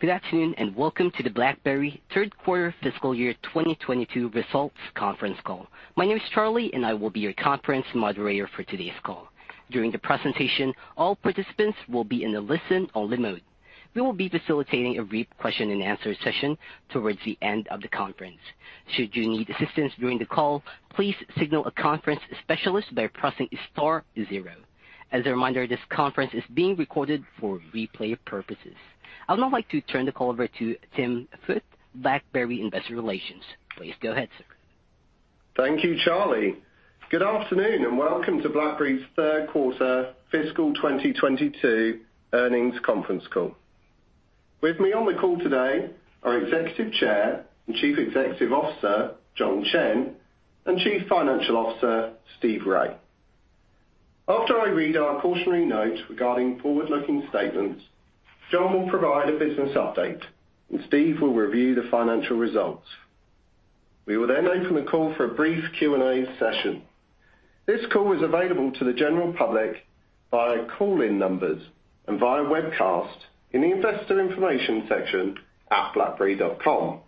Good afternoon, and welcome to the BlackBerry third quarter fiscal year 2022 results conference call. My name is Charlie, and I will be your conference moderator for today's call. During the presentation, all participants will be in a listen-only mode. We will be facilitating a brief question-and-answer session toward the end of the conference. Should you need assistance during the call, please signal a conference specialist by pressing star zero. As a reminder, this conference is being recorded for replay purposes. I'd now like to turn the call over to Tim Foote, BlackBerry Investor Relations. Please go ahead, sir. Thank you, Charlie. Good afternoon, and welcome to BlackBerry's third quarter fiscal 2022 earnings conference call. With me on the call today are Executive Chairman and Chief Executive Officer, John Chen, and Chief Financial Officer, Steve Rai. After I read our cautionary note regarding forward-looking statements, John will provide a business update, and Steve will review the financial results. We will then open the call for a brief Q&A session. This call is available to the general public via call-in numbers and via webcast in the investor information section at blackberry.com.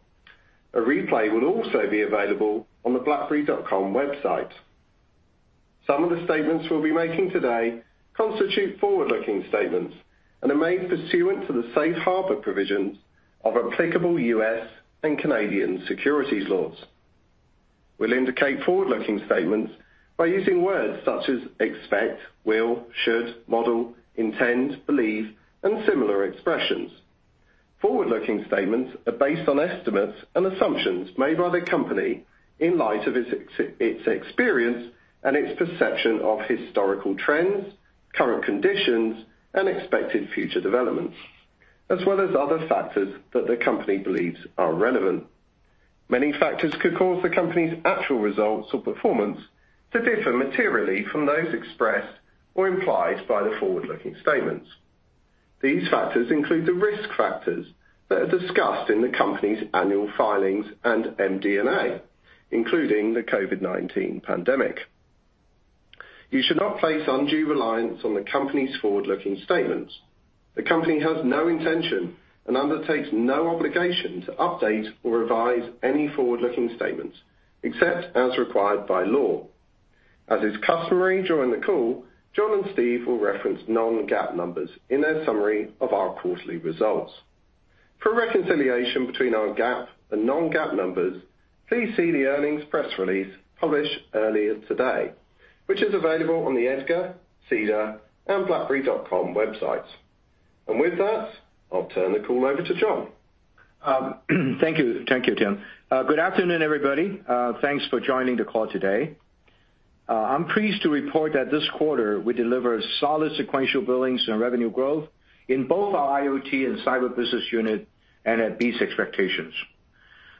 A replay will also be available on the blackberry.com website. Some of the statements we'll be making today constitute forward-looking statements and are made pursuant to the safe harbor provisions of applicable U.S. and Canadian securities laws. We'll indicate forward-looking statements by using words such as expect, will, should, model, intend, believe, and similar expressions. Forward-looking statements are based on estimates and assumptions made by the company in light of its experience and its perception of historical trends, current conditions, and expected future developments, as well as other factors that the company believes are relevant. Many factors could cause the company's actual results or performance to differ materially from those expressed or implied by the forward-looking statements. These factors include the risk factors that are discussed in the company's annual filings and MD&A, including the COVID-19 pandemic. You should not place undue reliance on the company's forward-looking statements. The company has no intention and undertakes no obligation to update or revise any forward-looking statements except as required by law. As is customary during the call, John and Steve will reference non-GAAP numbers in their summary of our quarterly results. For a reconciliation between our GAAP and non-GAAP numbers, please see the earnings press release published earlier today, which is available on the EDGAR, SEDAR, and blackberry.com websites. With that, I'll turn the call over to John. Thank you. Thank you, Tim. Good afternoon, everybody. Thanks for joining the call today. I'm pleased to report that this quarter we delivered solid sequential billings and revenue growth in both our IoT and cyber business unit and met these expectations.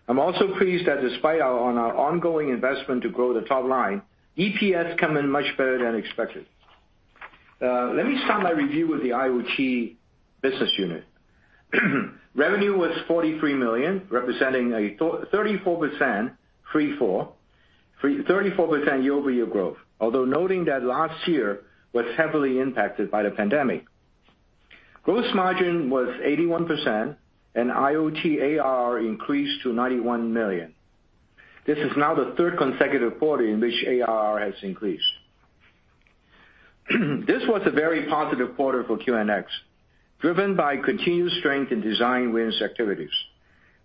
I'm also pleased that despite our ongoing investment to grow the top line, EPS come in much better than expected. Let me start my review with the IoT business unit. Revenue was $43 million, representing a 34% year-over-year growth, although noting that last year was heavily impacted by the pandemic. Gross margin was 81%, and IoT ARR increased to $91 million. This is now the third consecutive quarter in which ARR has increased. This was a very positive quarter for QNX, driven by continued strength in design wins activities.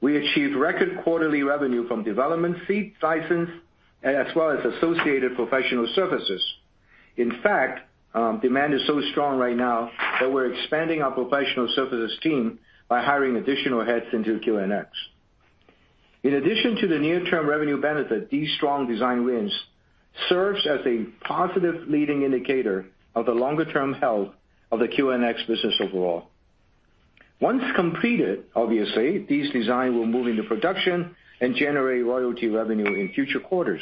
We achieved record quarterly revenue from development fee, license, as well as associated professional services. In fact, demand is so strong right now that we're expanding our professional services team by hiring additional heads into QNX. In addition to the near-term revenue benefit, these strong design wins serves as a positive leading indicator of the longer-term health of the QNX business overall. Once completed, obviously, these design will move into production and generate royalty revenue in future quarters.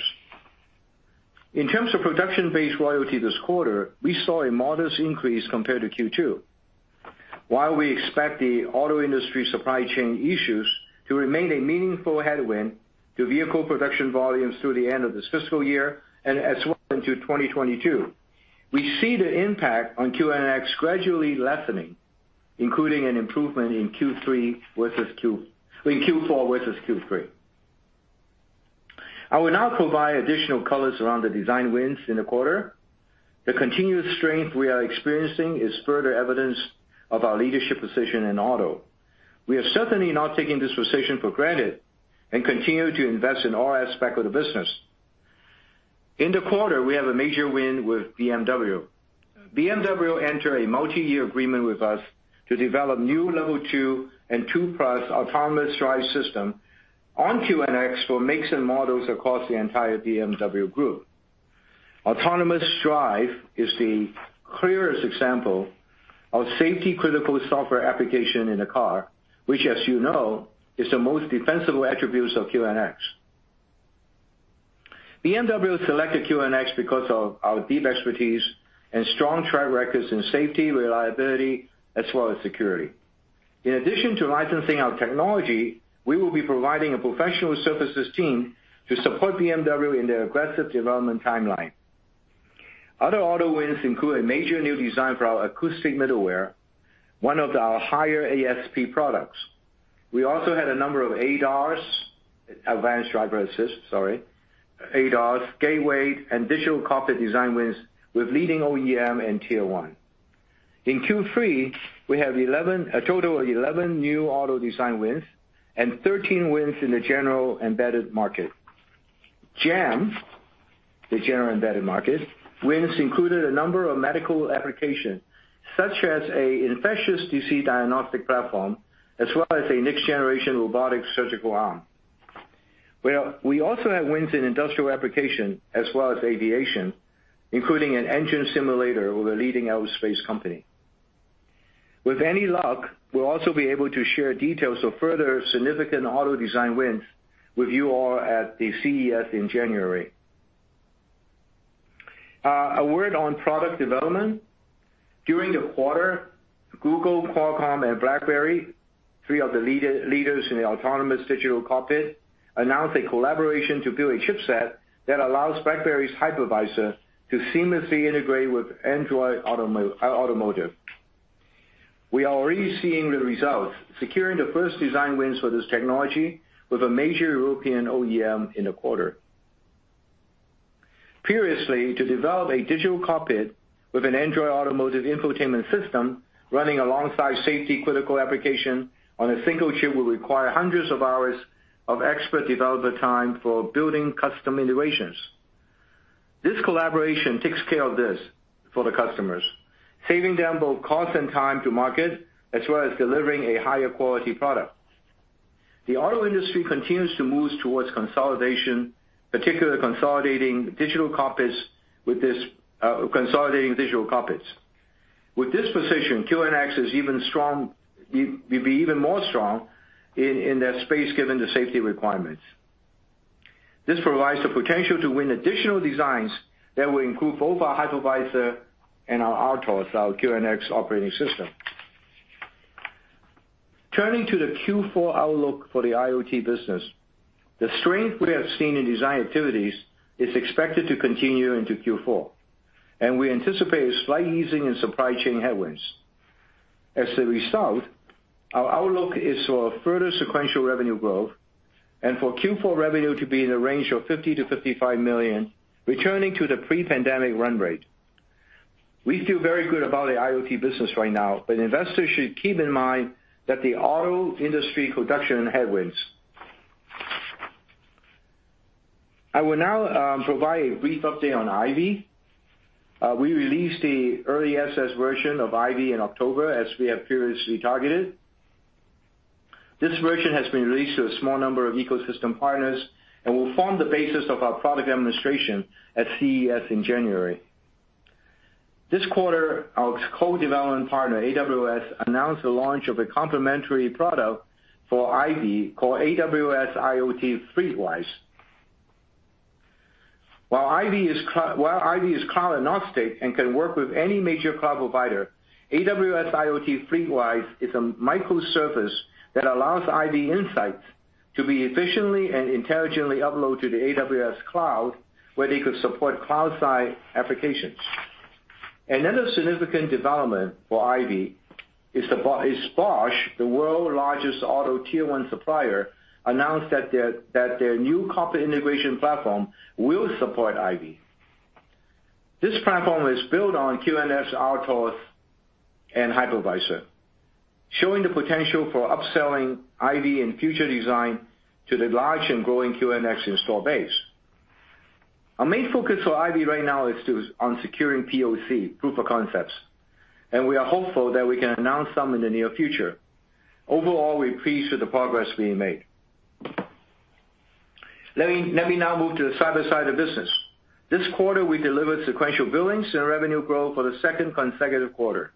In terms of production-based royalty this quarter, we saw a modest increase compared to Q2. While we expect the auto industry supply chain issues to remain a meaningful headwind to vehicle production volumes through the end of this fiscal year and into 2022, we see the impact on QNX gradually lessening, including an improvement in Q3 versus Q2 in Q4 versus Q3. I will now provide additional colors around the design wins in the quarter. The continued strength we are experiencing is further evidence of our leadership position in auto. We are certainly not taking this position for granted and continue to invest in all aspects of the business. In the quarter, we have a major win with BMW. BMW enter a multi-year agreement with us to develop new Level 2 and 2+ autonomous drive system on QNX for makes and models across the entire BMW Group. Autonomous drive is the clearest example of safety-critical software application in a car, which, as you know, is the most defensible attributes of QNX. BMW selected QNX because of our deep expertise and strong track records in safety, reliability, as well as security. In addition to licensing our technology, we will be providing a professional services team to support BMW in their aggressive development timeline. Other auto wins include a major new design for our acoustic middleware, one of our higher ASP products. We also had a number of ADAS, Advanced Driver Assist, sorry, ADAS, gateway, and digital cockpit design wins with leading OEM and Tier 1. In Q3, we have a total of 11 new auto design wins and 13 wins in the general embedded market. GEM, the General Embedded Market, wins included a number of medical applications, such as an infectious disease diagnostic platform, as well as a next-generation robotic surgical arm. We also have wins in industrial applications as well as aviation, including an engine simulator with a leading aerospace company. With any luck, we'll also be able to share details of further significant auto design wins with you all at the CES in January. A word on product development. During the quarter, Google, Qualcomm, and BlackBerry, three of the leaders in the autonomous digital cockpit, announced a collaboration to build a chipset that allows BlackBerry's Hypervisor to seamlessly integrate with Android Automotive. We are already seeing the results, securing the first design wins for this technology with a major European OEM in the quarter. Previously, to develop a digital cockpit with an Android Automotive infotainment system running alongside safety critical application on a single chip would require hundreds of hours of expert developer time for building custom integrations. This collaboration takes care of this for the customers, saving them both cost and time to market, as well as delivering a higher quality product. The auto industry continues to move towards consolidation, particularly consolidating digital cockpits. With this position, QNX is even stronger; it will be even stronger in that space given the safety requirements. This provides the potential to win additional designs that will include both our Hypervisor and our RTOS, our QNX operating system. Turning to the Q4 outlook for the IoT business. The strength we have seen in design activities is expected to continue into Q4, and we anticipate a slight easing in supply chain headwinds. As a result, our outlook is for further sequential revenue growth and for Q4 revenue to be in the range of $50 million-$55 million, returning to the pre-pandemic run rate. We feel very good about the IoT business right now, but investors should keep in mind that the auto industry production headwinds. I will now provide a brief update on IVY. We released the early access version of IVY in October, as we have previously targeted. This version has been released to a small number of ecosystem partners and will form the basis of our product demonstration at CES in January. This quarter, our co-development partner, AWS, announced the launch of a complementary product for IVY called AWS IoT FleetWise. While IVY is cloud agnostic and can work with any major cloud provider, AWS IoT FleetWise is a microservice that allows IVY insights to be efficiently and intelligently uploaded to the AWS cloud, where they could support cloud-side applications. Another significant development for IVY is Bosch, the world's largest auto Tier 1 supplier, announced that their new cockpit integration platform will support IVY. This platform is built on QNX RTOS and Hypervisor, showing the potential for upselling IVY in future design to the large and growing QNX install base. Our main focus for IVY right now is on securing POC, proof of concepts, and we are hopeful that we can announce some in the near future. Overall, we're pleased with the progress being made. Let me now move to the cybersecurity side of the business. This quarter, we delivered sequential billings and revenue growth for the second consecutive quarter.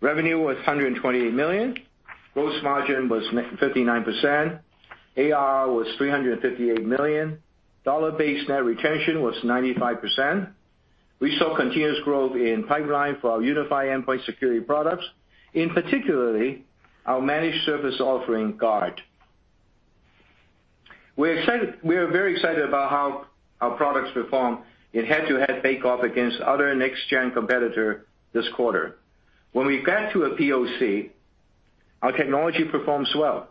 Revenue was $128 million. Gross margin was non-GAAP 59%. ARR was $358 million. Dollar-based net retention was 95%. We saw continuous growth in pipeline for our unified endpoint security products, in particular our managed service offering, Guard. We are very excited about how our products perform in head-to-head bake-off against other next-gen competitors this quarter. When we got to a POC, our technology performs well,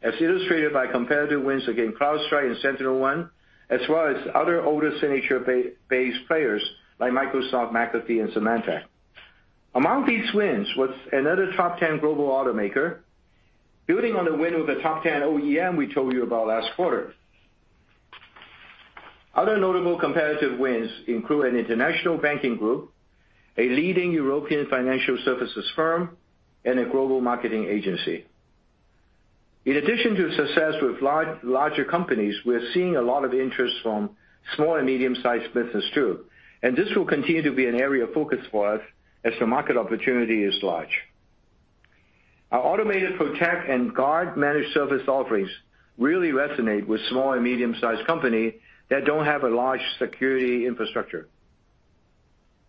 as illustrated by competitive wins against CrowdStrike and SentinelOne, as well as other older signature-based players like Microsoft, McAfee, and Symantec. Among these wins was another top 10 global automaker building on the win of a top 10 OEM we told you about last quarter. Other notable competitive wins include an international banking group, a leading European financial services firm, and a global marketing agency. In addition to success with larger companies, we are seeing a lot of interest from small and medium-sized businesses too, and this will continue to be an area of focus for us as the market opportunity is large. Our CylancePROTECT and CylanceGUARD managed service offerings really resonate with small and medium-sized company that don't have a large security infrastructure.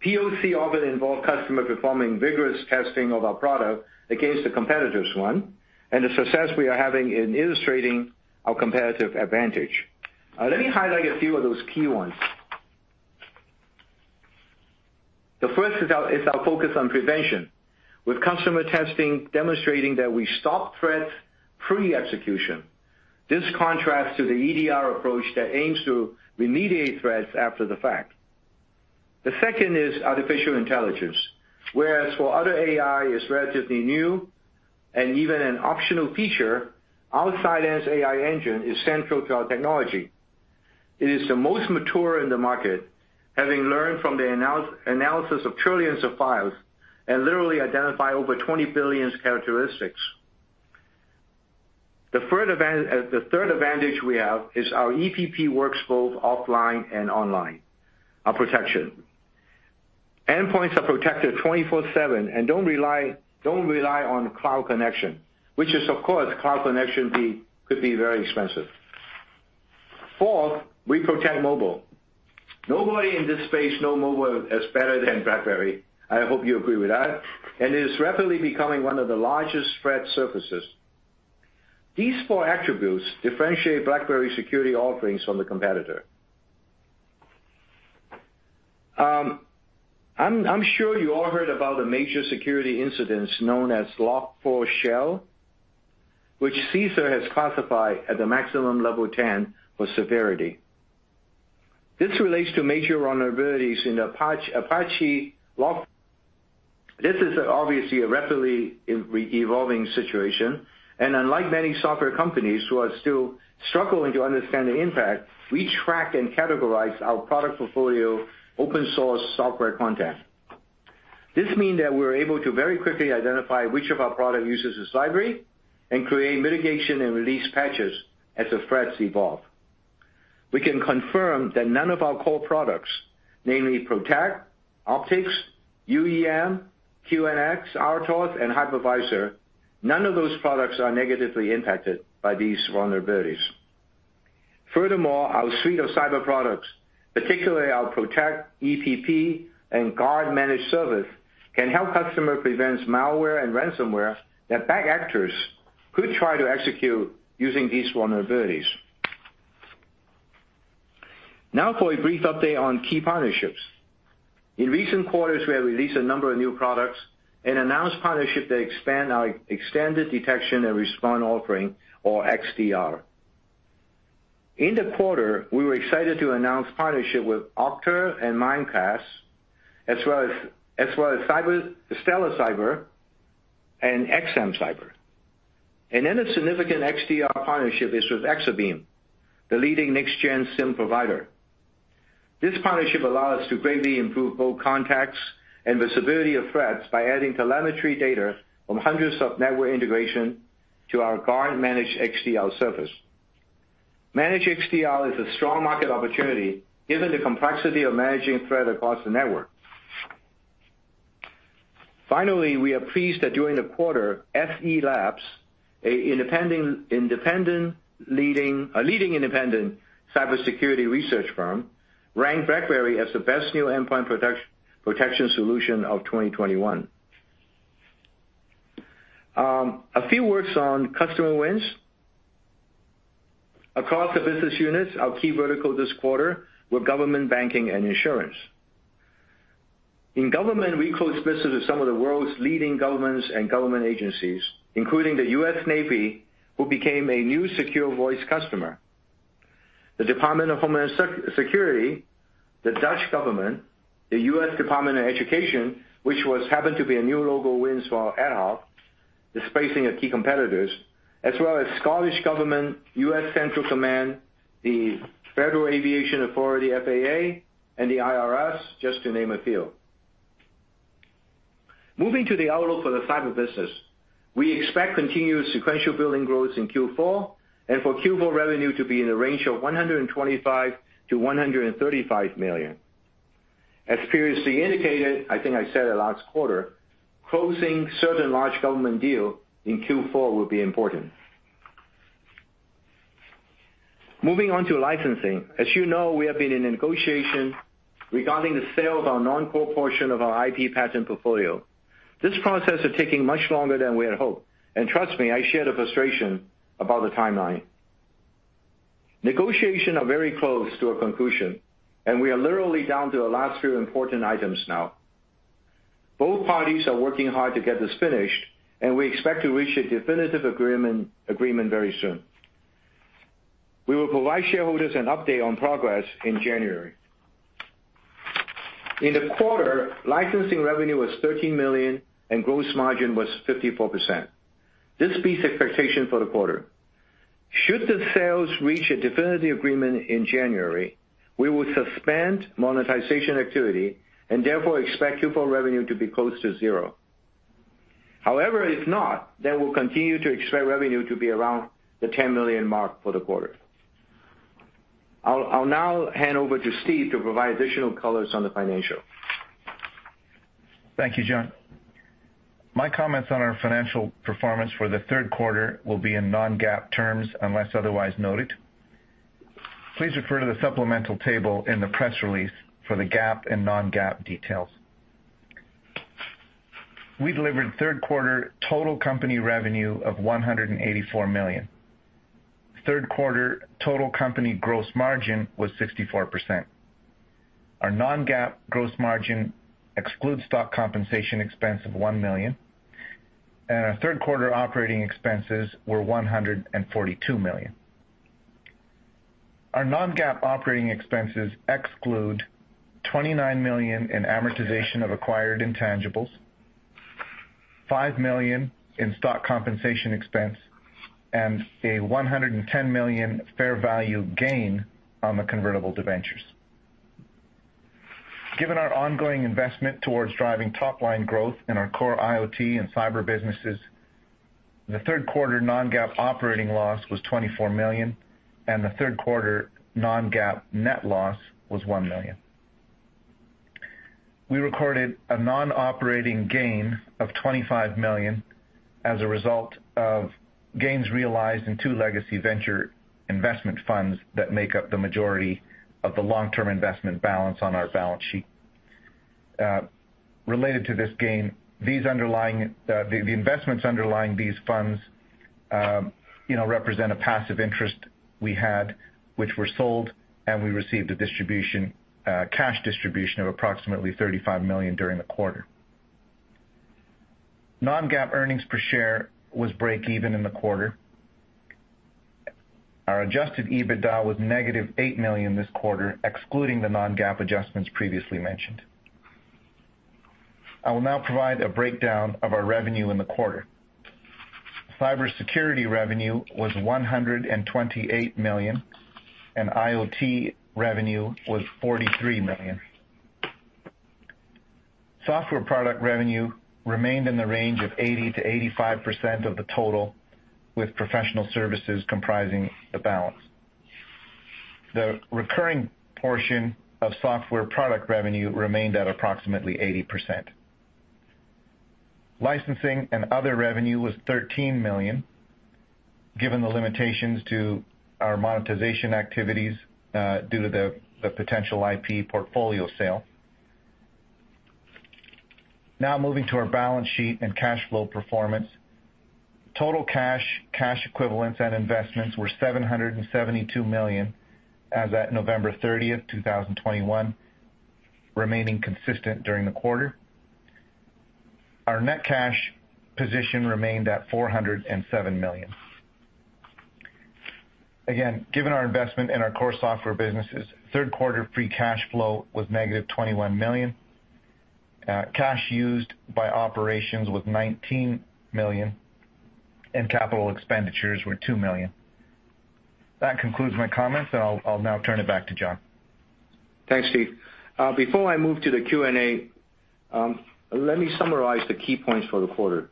POC often involve customer performing vigorous testing of our product against the competitors one. The success we are having in illustrating our competitive advantage. Let me highlight a few of those key ones. The first is our focus on prevention, with customer testing demonstrating that we stop threats pre-execution. This contrasts to the EDR approach that aims to remediate threats after the fact. The second is artificial intelligence. Whereas for other AI is relatively new and even an optional feature, our Cylance AI engine is central to our technology. It is the most mature in the market, having learned from the analysis of trillions of files and literally identify over 20 billion characteristics. The third advantage we have is our EPP works both offline and online, our protection. Endpoints are protected 24/7 and don't rely on cloud connection, which is of course, cloud connection could be very expensive. Fourth, we protect mobile. Nobody in this space know mobile as better than BlackBerry. I hope you agree with that. It is rapidly becoming one of the largest threat surfaces. These four attributes differentiate BlackBerry security offerings from the competitor. I'm sure you all heard about the major security incidents known as Log4Shell, which CISA has classified at the maximum level 10 for severity. This relates to major vulnerabilities in the Apache Log4j. This is obviously a rapidly evolving situation, and unlike many software companies who are still struggling to understand the impact, we track and categorize our product portfolio open source software content. This means that we're able to very quickly identify which of our products use this library and create mitigation and release patches as the threats evolve. We can confirm that none of our core products, namely Protect, Optics, UEM, QNX, RTOS, and Hypervisor, none of those products are negatively impacted by these vulnerabilities. Furthermore, our suite of cyber products, particularly our Protect, EPP, and Guard managed service, can help customers prevent malware and ransomware that bad actors could try to execute using these vulnerabilities. Now for a brief update on key partnerships. In recent quarters, we have released a number of new products and announced partnerships that expand our extended detection and response offering or XDR. In the quarter, we were excited to announce partnership with Okta and Mimecast, as well as Stellar Cyber and XM Cyber. A significant XDR partnership is with Exabeam, the leading next-gen SIEM provider. This partnership allow us to greatly improve both context and visibility of threats by adding telemetry data from hundreds of network integration to our Guard managed XDR service. Managed XDR is a strong market opportunity given the complexity of managing threat across the network. We are pleased that during the quarter, SE Labs, a leading independent cybersecurity research firm, ranked BlackBerry as the best new endpoint protection solution of 2021. A few words on customer wins. Across the business units, our key vertical this quarter were government, banking, and insurance. In government, we closed business with some of the world's leading governments and government agencies, including the U.S. Navy, who became a new Secure Voice customer. The Department of Homeland Security, the Dutch government, the U.S. Department of Education, which happened to be a new AtHoc win for displacing a key competitor, as well as Scottish Government, U.S. Central Command, the Federal Aviation Administration, FAA, and the IRS, just to name a few. Moving to the outlook for the cyber business, we expect continued sequential billing growth in Q4 and for Q4 revenue to be in the range of $125 million-$135 million. As previously indicated, I think I said it last quarter, closing certain large government deal in Q4 will be important. Moving on to licensing. As you know, we have been in negotiation regarding the sale of our non-core portion of our IP patent portfolio. This process is taking much longer than we had hoped, and trust me, I share the frustration about the timeline. Negotiations are very close to a conclusion, and we are literally down to the last few important items now. Both parties are working hard to get this finished, and we expect to reach a definitive agreement very soon. We will provide shareholders an update on progress in January. In the quarter, licensing revenue was $13 million and gross margin was 54%. This beats expectation for the quarter. Should the sales reach a definitive agreement in January, we will suspend monetization activity and therefore expect Q4 revenue to be close to zero. However, if not, then we'll continue to expect revenue to be around the $10 million mark for the quarter. I'll now hand over to Steve to provide additional colors on the financial. Thank you, John. My comments on our financial performance for the third quarter will be in non-GAAP terms unless otherwise noted. Please refer to the supplemental table in the press release for the GAAP and non-GAAP details. We delivered third quarter total company revenue of $184 million. Third quarter total company gross margin was 64%. Our non-GAAP gross margin excludes stock compensation expense of $1 million, and our third quarter operating expenses were $142 million. Our non-GAAP operating expenses exclude $29 million in amortization of acquired intangibles, $5 million in stock compensation expense, and a $110 million fair value gain on the convertible debentures. Given our ongoing investment towards driving top line growth in our core IoT and cyber businesses, the third quarter non-GAAP operating loss was $24 million, and the third quarter non-GAAP net loss was $1 million. We recorded a non-operating gain of $25 million as a result of gains realized in two legacy venture investment funds that make up the majority of the long-term investment balance on our balance sheet. Related to this gain, the investments underlying these funds, you know, represent a passive interest we had, which were sold, and we received a cash distribution of approximately $35 million during the quarter. Non-GAAP earnings per share was breakeven in the quarter. Our adjusted EBITDA was -$8 million this quarter, excluding the non-GAAP adjustments previously mentioned. I will now provide a breakdown of our revenue in the quarter. Cybersecurity revenue was $128 million, and IoT revenue was $43 million. Software product revenue remained in the range of 80%-85% of the total, with professional services comprising the balance. The recurring portion of software product revenue remained at approximately 80%. Licensing and other revenue was $13 million, given the limitations to our monetization activities due to the potential IP portfolio sale. Now moving to our balance sheet and cash flow performance. Total cash equivalents and investments were $772 million as at November 30, 2021, remaining consistent during the quarter. Our net cash position remained at $407 million. Again, given our investment in our core software businesses, third quarter free cash flow was -$21 million. Cash used by operations was $19 million, and capital expenditures were $2 million. That concludes my comments, and I'll now turn it back to John. Thanks, Steve. Before I move to the Q&A, let me summarize the key points for the quarter.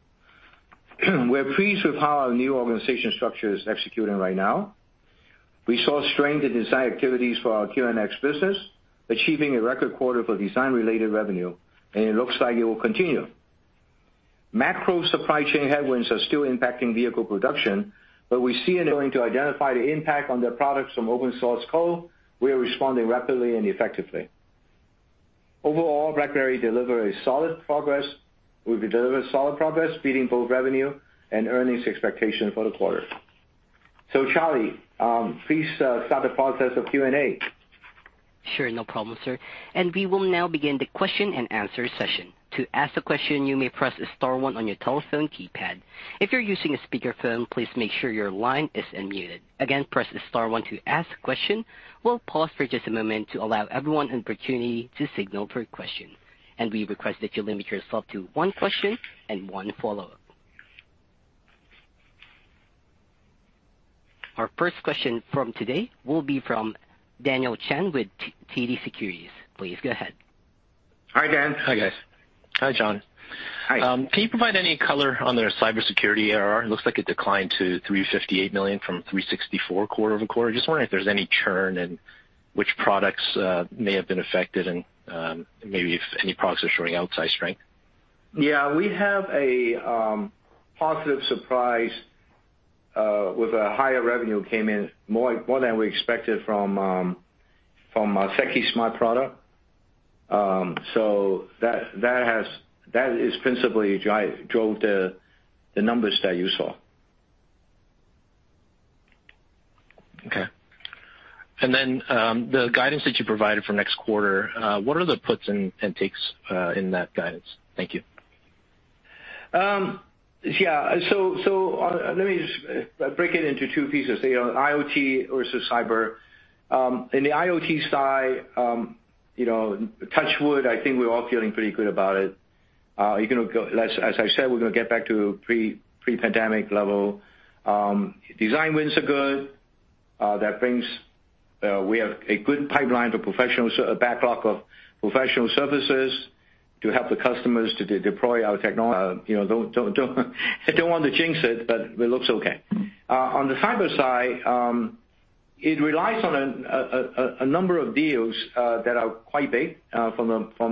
We're pleased with how our new organizational structure is executing right now. We saw strength in design activities for our QNX business, achieving a record quarter for design-related revenue, and it looks like it will continue. Macro supply chain headwinds are still impacting vehicle production, but we see, and we are going to identify the impact on the products from open source code. We are responding rapidly and effectively. Overall, we've delivered solid progress beating both revenue and earnings expectations for the quarter. Charlie, please start the process of Q&A. Sure. No problem, sir. We will now begin the question-and-answer session. To ask a question, you may press star one on your telephone keypad. If you're using a speakerphone, please make sure your line is unmuted. Again, press star one to ask a question. We'll pause for just a moment to allow everyone an opportunity to signal for a question. We request that you limit yourself to one question and one follow-up. Our first question from today will be from Daniel Chan with TD Securities. Please go ahead. Hi, Dan. Hi, guys. Hi, John. Hi. Can you provide any color on their Cybersecurity ARR? It looks like it declined to $358 million from $364 million quarter-over-quarter. Just wondering if there's any churn and which products may have been affected and maybe if any products are showing outsized strength. Yeah. We have a positive surprise with a higher revenue came in more than we expected from our Secusmart product. So that has principally drove the numbers that you saw. Okay. The guidance that you provided for next quarter, what are the puts and takes in that guidance? Thank you. Yeah. Let me just break it into two pieces, you know, IoT versus cyber. In the IoT side, you know, touch wood, I think we're all feeling pretty good about it. You know, as I said, we're gonna get back to pre-pandemic level. Design wins are good. That brings, we have a good pipeline for professional services, a backlog of professional services to help the customers to deploy our technology, you know. I don't want to jinx it, but it looks okay. On the cyber side, it relies on a number of deals that are quite big from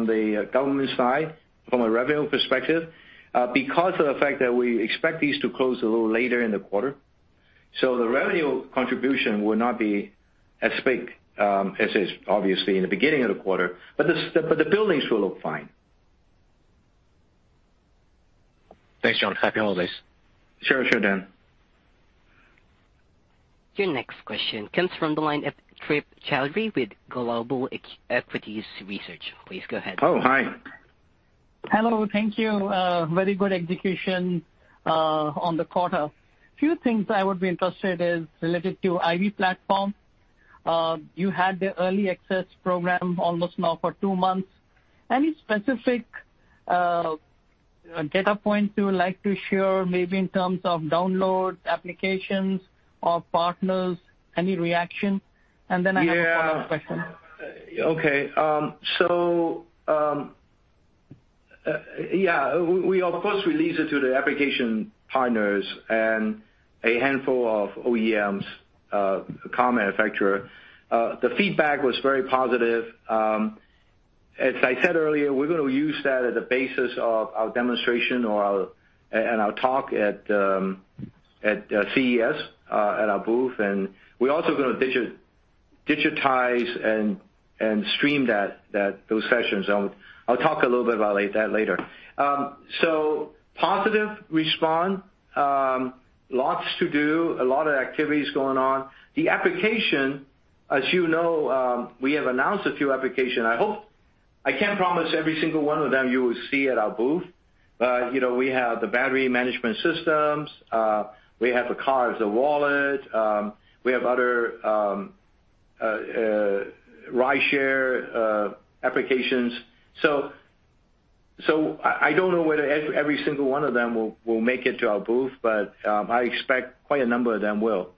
the government side, from a revenue perspective. Because of the fact that we expect these to close a little later in the quarter, the revenue contribution will not be as big as is obviously in the beginning of the quarter, but the billings will look fine. Thanks, John. Happy holidays. Sure, Dan. Your next question comes from the line of Trip Chowdhry with Global Equities Research. Please go ahead. Oh, hi. Hello. Thank you. Very good execution on the quarter. Few things I would be interested is related to IVY platform. You had the early access program almost now for two months. Any specific data points you would like to share, maybe in terms of downloads, applications or partners, any reaction? I have a follow-up question. We of course released it to the application partners and a handful of OEMs, car manufacturer. The feedback was very positive. As I said earlier, we're gonna use that as a basis of our demonstration or our talk at CES at our booth. We're also gonna digitize and stream those sessions. I'll talk a little bit about that later. Positive response. Lots to do, a lot of activities going on. The application, as you know, we have announced a few applications. I can't promise every single one of them you will see at our booth, but you know, we have the battery management systems, we have the car as a wallet, we have other rideshare applications. I don't know whether every single one of them will make it to our booth, but I expect quite a number of them will.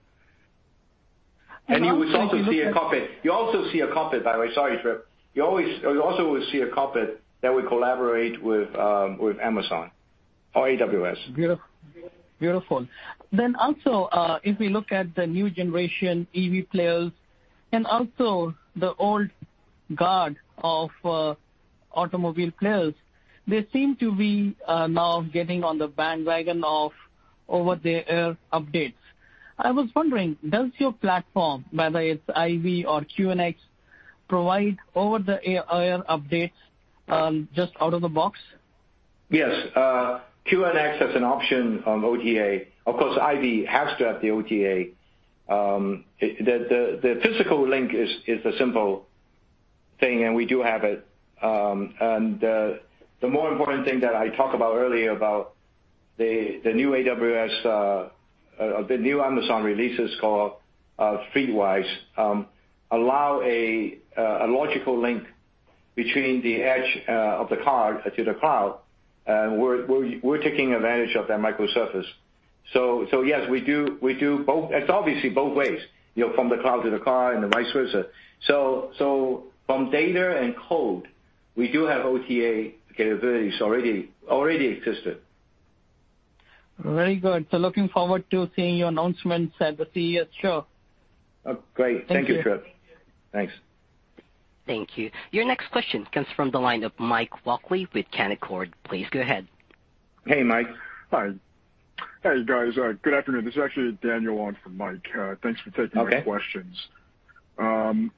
Also if you look at. You'll also see a concept car that we collaborate with Amazon or AWS, by the way. Sorry, Trip. Beautiful. Also, if we look at the new generation EV players and also the old guard of automobile players, they seem to be now getting on the bandwagon of over-the-air updates. I was wondering, does your platform, whether it's IVY or QNX, provide over-the-air updates, just out of the box? Yes. QNX has an option on OTA. Of course, IVY has to have the OTA. The physical link is a simple thing, and we do have it. The more important thing that I talked about earlier about the new AWS, the new Amazon release is called FleetWise allows a logical link between the edge of the car to the cloud, and we're taking advantage of that microservice. Yes, we do both. It's obviously both ways, you know, from the cloud to the car and then vice versa. From data and code, we do have OTA capabilities already existed. Very good. Looking forward to seeing your announcements at the CES show. Oh, great. Thank you, Trip. Thank you. Thanks. Thank you. Your next question comes from the line of Mike Walkley with Canaccord. Please go ahead. Hey, Mike. Hi. Hey, guys. Good afternoon. This is actually Daniel on for Mike. Thanks for taking my questions. Okay.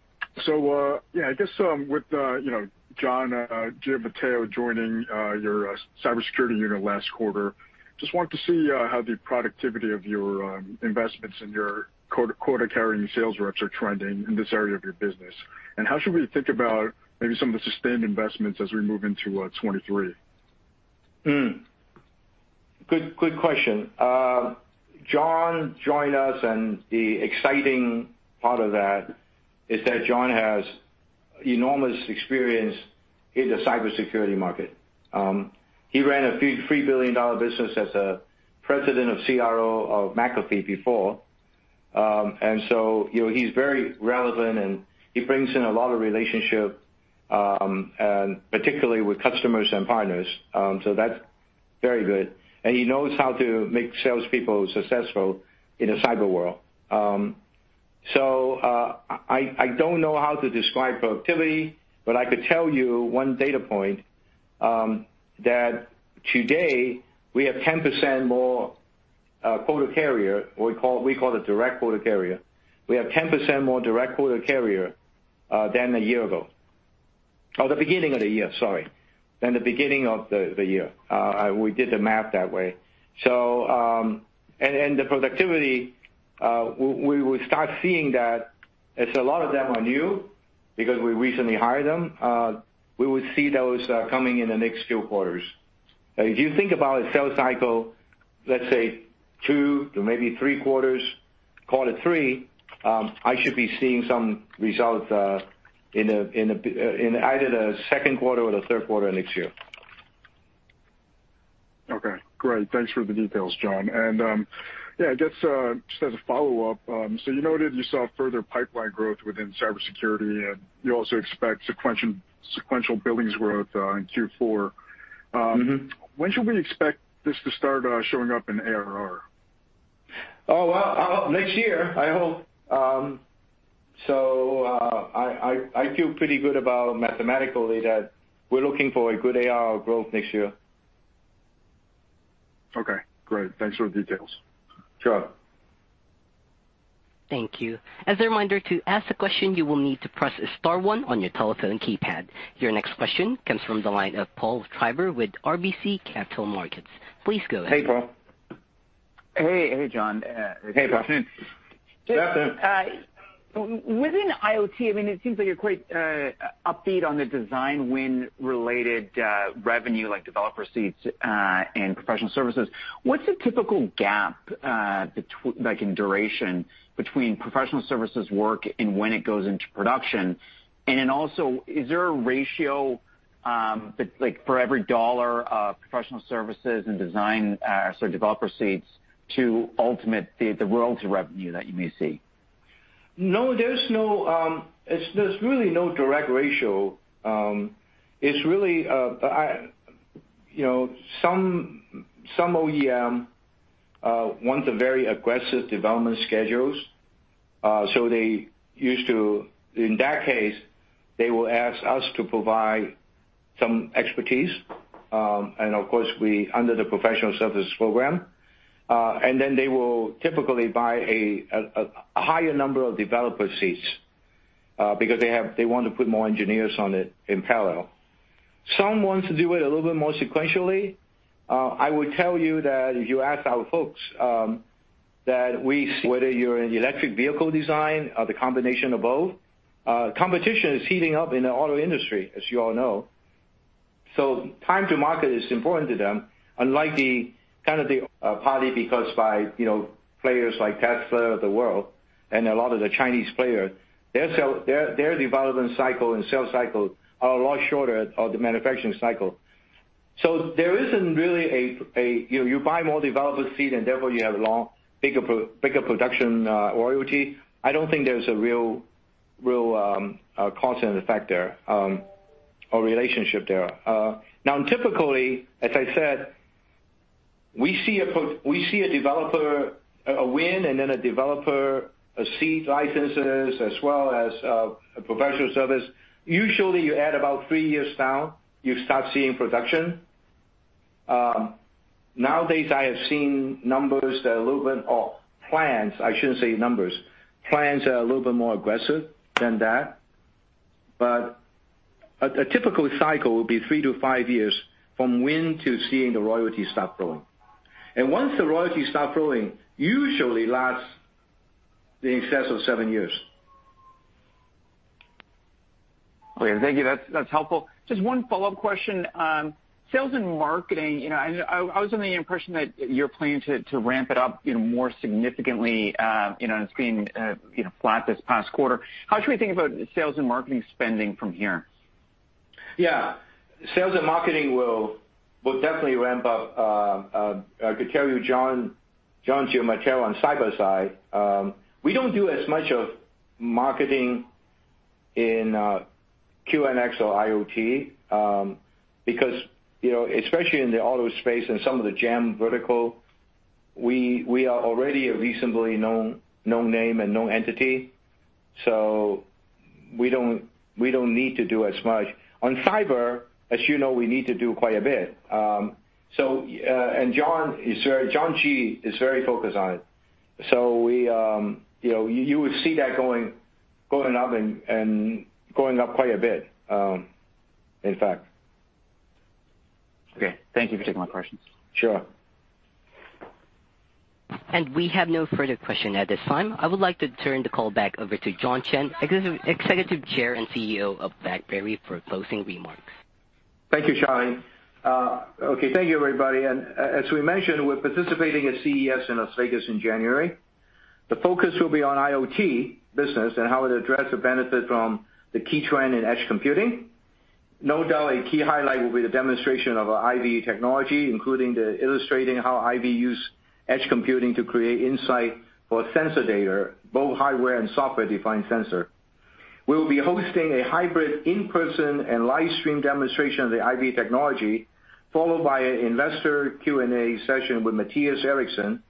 With you know John Giamatteo joining your cybersecurity unit last quarter, just wanted to see how the productivity of your investments in your quota-carrying sales reps are trending in this area of your business. How should we think about maybe some of the sustained investments as we move into 2023? Good question. John joined us, and the exciting part of that is that John has enormous experience in the cybersecurity market. He ran a $3 billion business as President of CRO of McAfee before. You know, he's very relevant, and he brings in a lot of relationship, and particularly with customers and partners, so that's very good. He knows how to make salespeople successful in a cyber world. I don't know how to describe productivity, but I could tell you one data point, that today we have 10% more quota carrier. We call it direct quota carrier. We have 10% more direct quota carrier than the beginning of the year. We did the math that way. The productivity, we will start seeing that as a lot of them are new because we recently hired them. We will see those coming in the next few quarters. If you think about a sales cycle, let's say two to maybe three quarters, call it three, I should be seeing some results in either the second quarter or the third quarter next year. Okay, great. Thanks for the details, John. Yeah, I guess, just as a follow-up, so you noted you saw further pipeline growth within cybersecurity, and you also expect sequential billings growth in Q4. Mm-hmm. When should we expect this to start showing up in ARR? Oh, well, next year, I hope. I feel pretty good about mathematically that we're looking for a good ARR growth next year. Okay, great. Thanks for the details. Sure. Thank you. As a reminder, to ask a question, you will need to press star one on your telephone keypad. Your next question comes from the line of Paul Treiber with RBC Capital Markets. Please go ahead. Hey, Paul. Hey, John. Hey, Paul. Within IoT, I mean, it seems like you're quite upbeat on the design win-related revenue, like developer seats and professional services. What's the typical gap like in duration between professional services work and when it goes into production? Is there a ratio like for every dollar of professional services and design so developer seats to ultimate the royalty revenue that you may see? No, there's really no direct ratio. It's really, you know, some OEM want a very aggressive development schedules, so in that case, they will ask us to provide some expertise, and of course we under the professional services program, and then they will typically buy a higher number of developer seats, because they want to put more engineers on it in parallel. Some want to do it a little bit more sequentially. I would tell you that if you ask our folks, that we see whether you're in electric vehicle design or the combination of both, competition is heating up in the auto industry, as you all know. Time to market is important to them, unlike the kind of the partly because by players like Tesla of the world and a lot of the Chinese players, their development cycle and sales cycle are a lot shorter of the manufacturing cycle. There isn't really a you buy more developer seat and therefore you have long bigger production royalty. I don't think there's a real constant factor or relationship there. Now typically, as I said, we see a developer win and then a developer seat licenses as well as a professional service. Usually, you add about three years down, you start seeing production. Nowadays I have seen numbers that are a little bit or plans, I shouldn't say numbers. Plans are a little bit more aggressive than that. A typical cycle will be three to five years from win to seeing the royalties start flowing. Once the royalties start flowing, it usually lasts in excess of seven years. Okay. Thank you. That's helpful. Just one follow-up question. Sales and marketing, you know, I was under the impression that you're planning to ramp it up, you know, more significantly, you know, it's been flat this past quarter. How should we think about sales and marketing spending from here? Yeah. Sales and marketing will definitely ramp up. I could tell you, John Giamatteo on cyber side, we don't do as much of marketing in QNX or IoT because, you know, especially in the auto space and some of the GEM vertical, we are already a reasonably known name and known entity, so we don't need to do as much. On cyber, as you know, we need to do quite a bit. John G. is very focused on it. We, you know, you would see that going up quite a bit, in fact. Okay. Thank you for taking my questions. Sure. We have no further question at this time. I would like to turn the call back over to John Chen, Executive Chairman and CEO of BlackBerry, for closing remarks. Thank you, Charlie. Okay. Thank you, everybody. As we mentioned, we're participating at CES in Las Vegas in January. The focus will be on IoT business and how it will address the benefit from the key trend in edge computing. No doubt, a key highlight will be the demonstration of our IVY technology, including illustrating how IVY use edge computing to create insight for sensor data, both hardware and software-defined sensor. We'll be hosting a hybrid in-person and live stream demonstration of the IVY technology, followed by an investor Q&A session with Mattias Eriksson,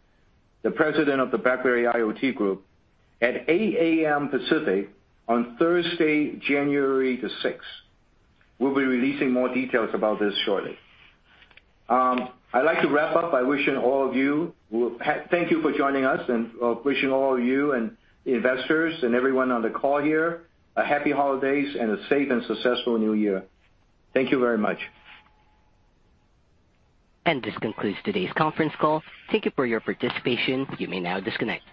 the President of the BlackBerry IoT group, at 8:00 A.M. Pacific on Thursday, January the 6th. We'll be releasing more details about this shortly. I'd like to wrap up by wishing all of you thank you for joining us and wishing all of you and investors and everyone on the call here a happy holidays and a safe and successful new year. Thank you very much. This concludes today's conference call. Thank you for your participation. You may now disconnect.